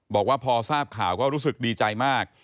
บอกว่าพอทราบข่าวก็รู้สึกดีใจมาก